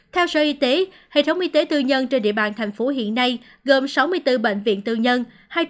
theo sở y tế hệ thống y tế tư nhân trên địa bàn thành phố hiện nay gồm sáu mươi bốn bệnh viện tư nhân